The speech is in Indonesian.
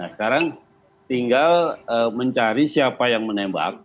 sekarang tinggal mencari siapa yang menembak